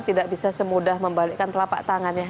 tidak bisa semudah membalikkan telapak tangannya